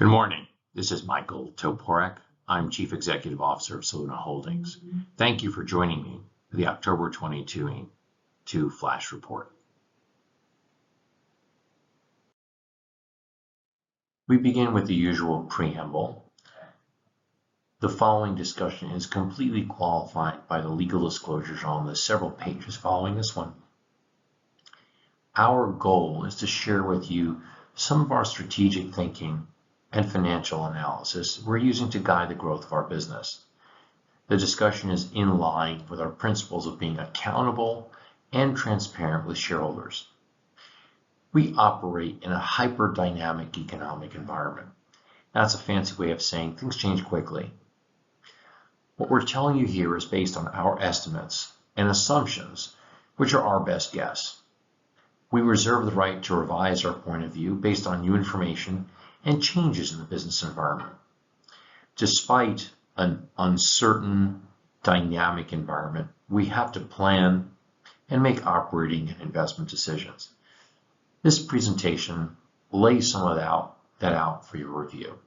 Good morning. This is Michael Toporek. I'm Chief Executive Officer of Soluna Holdings. Thank you for joining me for the October 2023-- two flash report. We begin with the usual preamble. The following discussion is completely qualified by the legal disclosures on the several pages following this one. Our goal is to share with you some of our strategic thinking and financial analysis we're using to guide the growth of our business. The discussion is in line with our principles of being accountable and transparent with shareholders. We operate in a hyper-dynamic economic environment. That's a fancy way of saying things change quickly. What we're telling you here is based on our estimates and assumptions, which are our best guess. We reserve the right to revise our point of view based on new information and changes in the business environment. Despite an uncertain dynamic environment, we have to plan and make operating and investment decisions. This presentation lays some of that out for your review.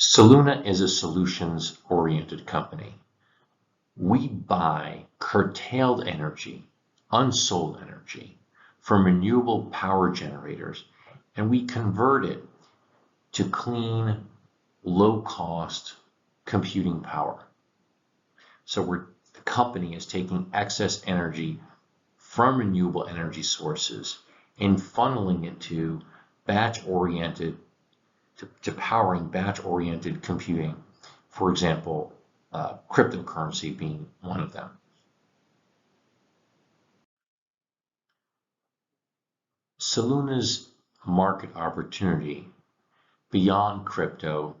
Soluna is a solutions-oriented company. We buy curtailed energy, unsold energy from renewable power generators. We convert it to clean, low-cost computing power. The company is taking excess energy from renewable energy sources and funneling it to powering batch-oriented computing. For example, cryptocurrency being one of them. Soluna's market opportunity beyond crypto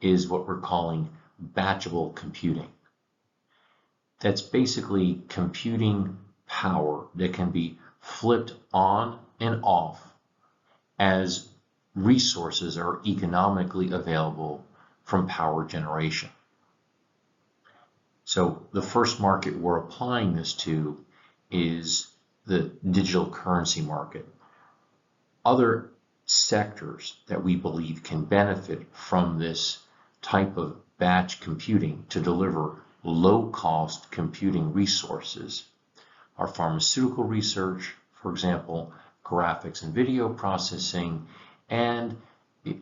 is what we're calling batchable computing. That's basically computing power that can be flipped on and off as resources are economically available from power generation. The first market we're applying this to is the digital currency market. Other sectors that we believe can benefit from this type of batch computing to deliver low-cost computing resources are pharmaceutical research, for example, graphics and video processing, and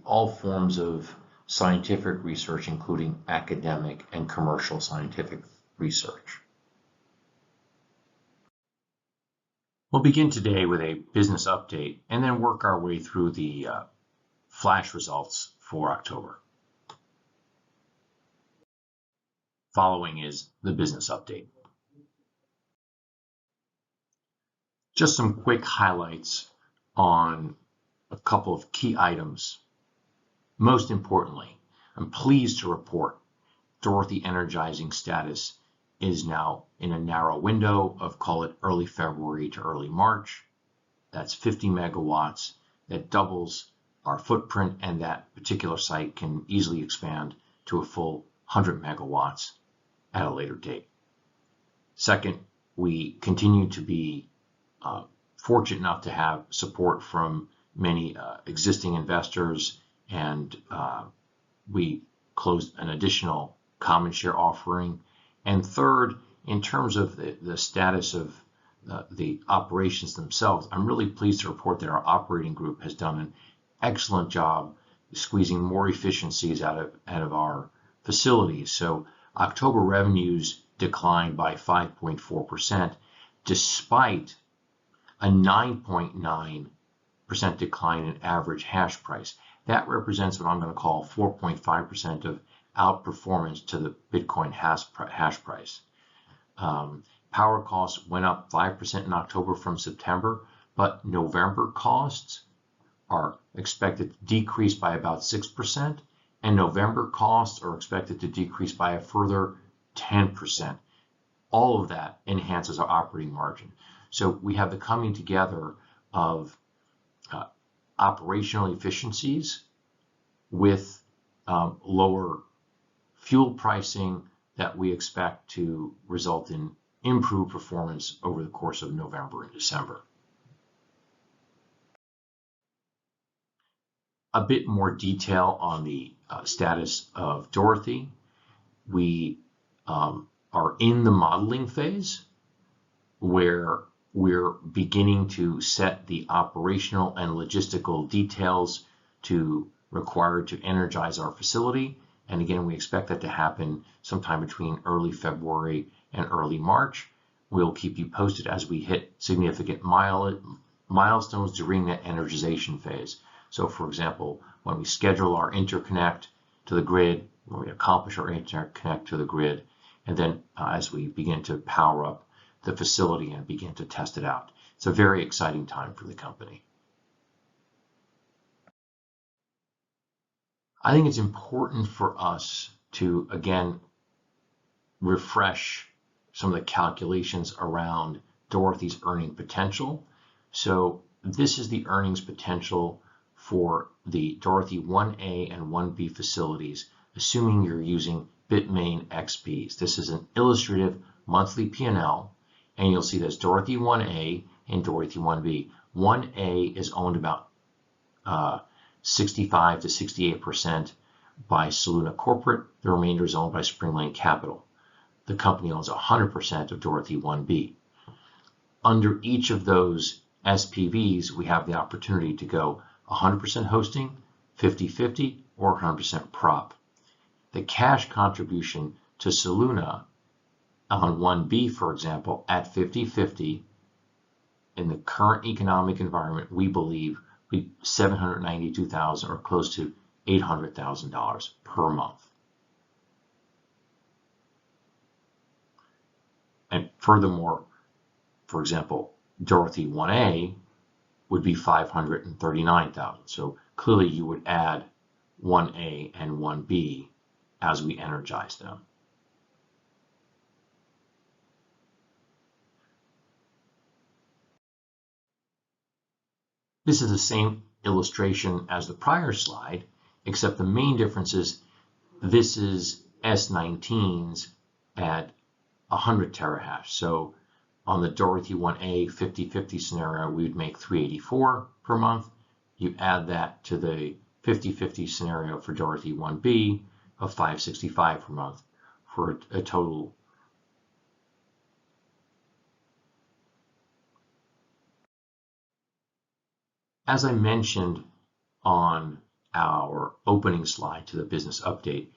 all forms of scientific research, including academic and commercial scientific research. We'll begin today with a business update and then work our way through the flash results for October. Following is the business update. Just some quick highlights on a couple of key items. Most importantly, I'm pleased to report Dorothy energizing status is now in a narrow window of call it early February to early March. That's 50 MW. That doubles our footprint, and that particular site can easily expand to a full 100 MW at a later date. Second, we continue to be fortunate enough to have support from many existing investors, and we closed an additional common share offering. Third, in terms of the status of the operations themselves, I'm really pleased to report that our operating group has done an excellent job squeezing more efficiencies out of our facilities. October revenues declined by 5.4% despite a 9.9% decline in average hash price. That represents what I'm gonna call 4.5% of outperformance to the Bitcoin hash price. Power costs went up 5% in October from September, but November costs are expected to decrease by about 6%, and November costs are expected to decrease by a further 10%. All of that enhances our operating margin. We have the coming together of operational efficiencies with lower fuel pricing that we expect to result in improved performance over the course of November and December. A bit more detail on the status of Dorothy. We are in the modeling phase where we're beginning to set the operational and logistical details to require to energize our facility. Again, we expect that to happen sometime between early February and early March. We'll keep you posted as we hit significant milestones during that energization phase. For example, when we schedule our interconnect to the grid, when we accomplish our interconnect to the grid, and then as we begin to power up the facility and begin to test it out. It's a very exciting time for the company. I think it's important for us to again refresh some of the calculations around Dorothy's earning potential. This is the earnings potential for the Dorothy 1A and 1B facilities, assuming you're using Bitmain S19 XPs. This is an illustrative monthly P&L, and you'll see there's Dorothy 1A and Dorothy 1B. 1A is owned about 65%-68% by Soluna Corporate. The remainder is owned by Spring Lane Capital. The company owns 100% of Dorothy 1B. Under each of those SPVs, we have the opportunity to go 100% hosting, 50/50, or 100% prop. The cash contribution to Soluna on 1B, for example, at 50/50 in the current economic environment, we believe be $792,000 or close to $800,000 per month. Furthermore, for example, Dorothy 1A would be $539,000. Clearly you would add 1A and 1B as we energize them. This is the same illustration as the prior slide, except the main difference is this is S19s at 100 terahash. On the Dorothy 1A 50/50 scenario, we'd make $384 per month. You add that to the 50/50 scenario for Dorothy 1B of $565 per month for a total. As I mentioned on our opening slide to the business update,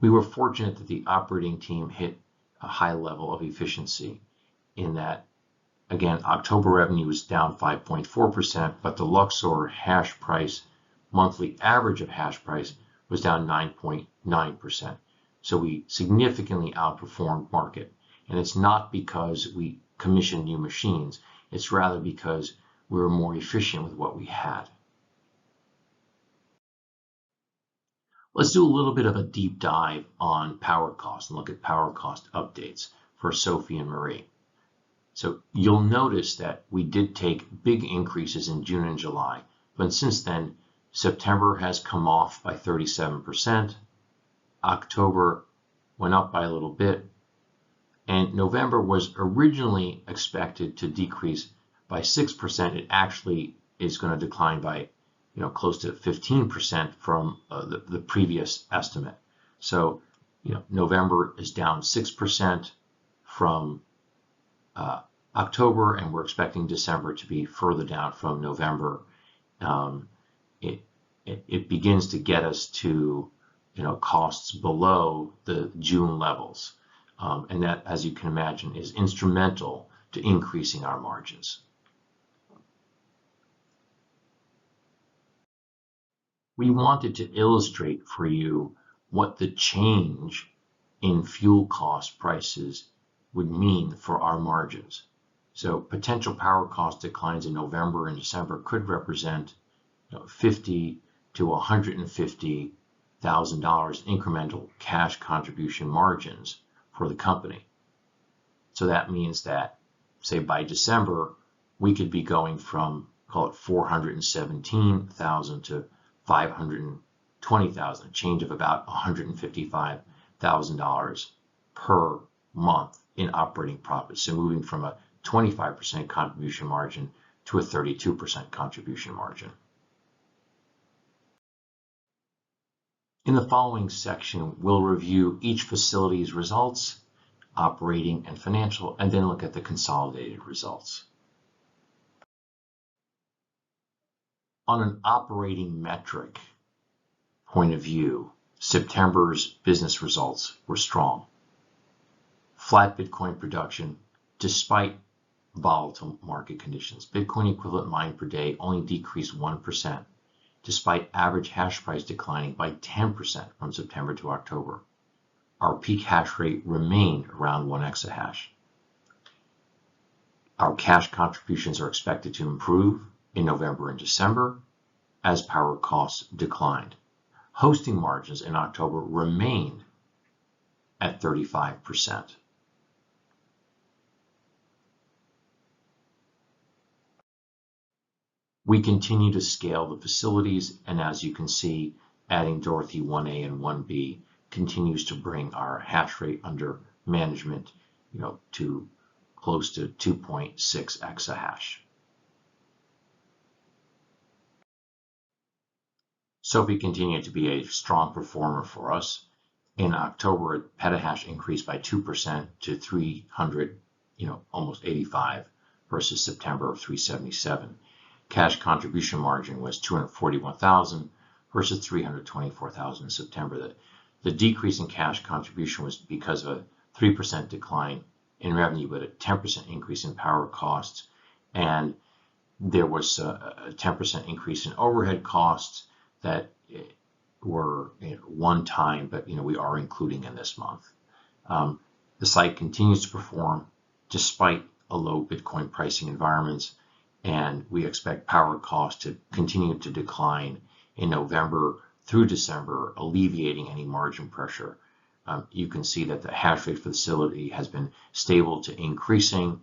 we were fortunate that the operating team hit a high level of efficiency in that, again, October revenue was down 5.4%, but the Luxor hash price, monthly average of hash price, was down 9.9%. We significantly outperformed market. It's not because we commissioned new machines, it's rather because we were more efficient with what we had. Let's do a little bit of a deep dive on power costs and look at power cost updates for Sophie and Marie. You'll notice that we did take big increases in June and July, but since then, September has come off by 37%. October went up by a little bit, November was originally expected to decrease by 6%. It actually is gonna decline by, you know, close to 15% from the previous estimate. You know, November is down 6% from October, and we're expecting December to be further down from November. It begins to get us to, you know, costs below the June levels. That, as you can imagine, is instrumental to increasing our margins. We wanted to illustrate for you what the change in fuel cost prices would mean for our margins. Potential power cost declines in November and December could represent $50,000-$150,000 incremental cash contribution margins for the company. That means that, say, by December, we could be going from, call it $417,000 to $520,000, a change of about $155,000 per month in operating profits, moving from a 25% contribution margin to a 32% contribution margin. In the following section, we'll review each facility's results, operating and financial, and then look at the consolidated results. On an operating metric point of view, September's business results were strong. Flat Bitcoin production despite volatile market conditions. Bitcoin equivalent mined per day only decreased 1% despite average hash price declining by 10% from September to October. Our peak hash rate remained around one exahash. Our cash contributions are expected to improve in November and December as power costs declined. Hosting margins in October remained at 35%. We continue to scale the facilities, and as you can see, adding Dorothy 1A and 1B continues to bring our hash rate under management, you know, to close to 2.6 exahash. Sophie continued to be a strong performer for us. In October, petahash increased by 2% to 385 versus September of 377. Cash contribution margin was $241,000 versus $324,000 in September. The decrease in cash contribution was because of a 3% decline in revenue, but a 10% increase in power costs. There was a 10% increase in overhead costs that were one time, but, you know, we are including in this month. The site continues to perform despite a low Bitcoin pricing environment, and we expect power costs to continue to decline in November through December, alleviating any margin pressure. You can see that the hash rate facility has been stable to increasing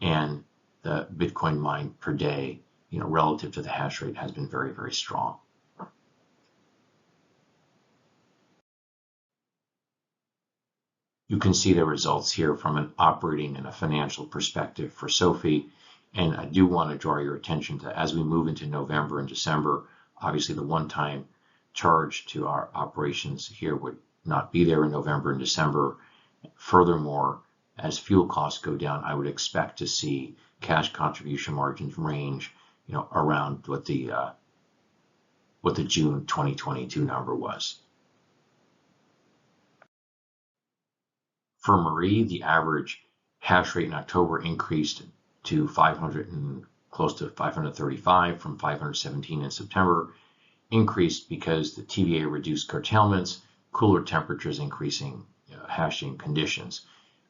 and the Bitcoin mine per day, you know, relative to the hash rate has been very strong. You can see the results here from an operating and a financial perspective for Soluna. I do want to draw your attention to as we move into November and December, obviously the one-time charge to our operations here would not be there in November and December. Furthermore, as fuel costs go down, I would expect to see cash contribution margins range, you know, around what the June 2022 number was. For Marie, the average hash rate in October increased to 500 and close to 535 from 517 in September, increased because the TVA reduced curtailments, cooler temperatures increasing, you know, hashing conditions.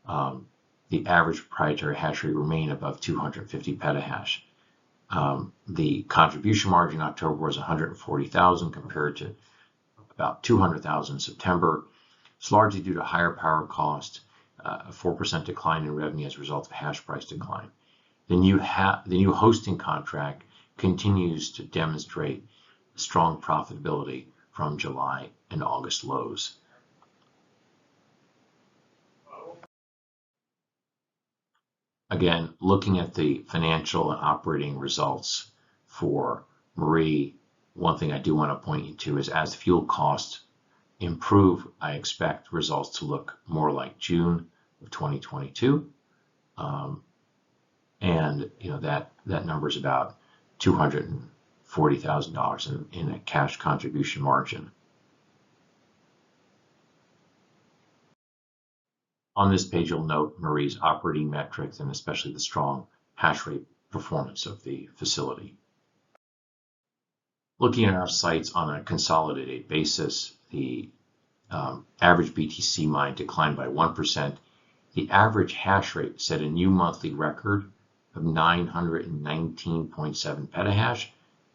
The average proprietary hash rate remained above 250 petahash. The contribution margin in October was $140,000 compared to about $200,000 in September. It's largely due to higher power cost, a 4% decline in revenue as a result of hash price decline. The new hosting contract continues to demonstrate strong profitability from July and August lows. Again, looking at the financial and operating results for Marie, one thing I do wanna point you to is as fuel costs improve, I expect results to look more like June of 2022. You know that number's about $240,000 in a cash contribution margin. On this page, you'll note Marie's operating metrics and especially the strong hash rate performance of the facility. Looking at our sites on a consolidated basis, the average BTC mine declined by 1%. The average hash rate set a new monthly record of 919.7 petahash.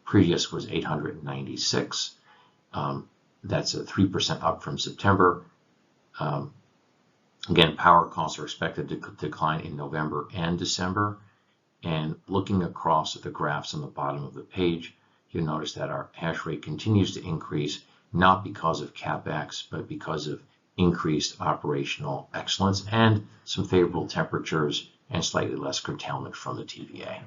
Previous was 896. That's a 3% up from September. Again, power costs are expected to decline in November and December. Looking across at the graphs on the bottom of the page, you'll notice that our hash rate continues to increase not because of CapEx, but because of increased operational excellence and some favorable temperatures and slightly less curtailment from the TVA.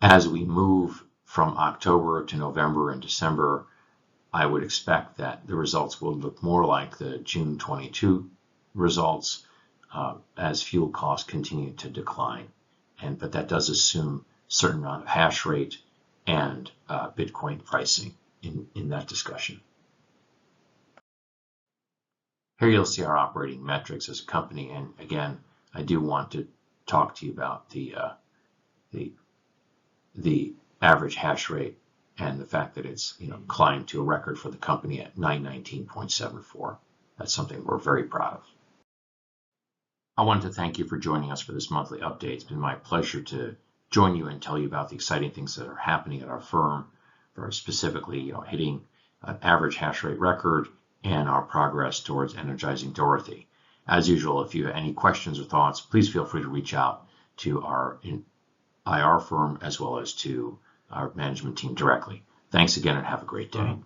As we move from October to November and December, I would expect that the results will look more like the June 2022 results, as fuel costs continue to decline. But that does assume certain amount of hash rate and Bitcoin pricing in that discussion. Here you'll see our operating metrics as a company, and again, I do want to talk to you about the average hash rate and the fact that it's, you know, climbed to a record for the company at 919.74. That's something we're very proud of. I want to thank you for joining us for this monthly update. It's been my pleasure to join you and tell you about the exciting things that are happening at our firm, very specifically, you know, hitting an average hash rate record and our progress towards energizing Dorothy. As usual, if you have any questions or thoughts, please feel free to reach out to our IR firm as well as to our management team directly. Thanks again, and have a great day.